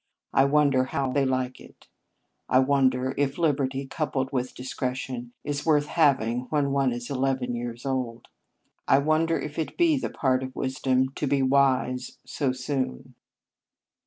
I wonder how they like it. I wonder if liberty, coupled with discretion, is worth having when one is eleven years old. I wonder if it be the part of wisdom to be wise so soon.